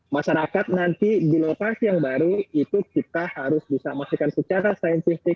masyarakat nanti di lokasi yang baru itu kita harus bisa memastikan secara saintifik